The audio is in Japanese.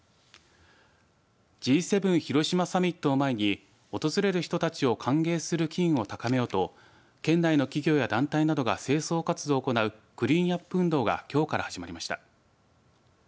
Ｇ７広島サミットを前に訪れる人たちを歓迎する機運を高めようと県内の企業や団体などが清掃活動を行うクリーンアップ運動がきょうから始まりました。